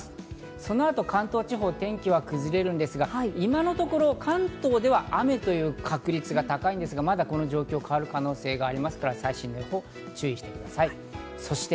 そのあと関東地方、天気が崩れるんですが、今のところ関東では雨の確率が高いですが、この状況、まだ変わる可能性があるので最新の予報に注意してください。